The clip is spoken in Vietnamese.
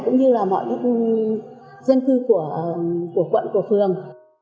cũng như là mọi các dân cư của quận của phường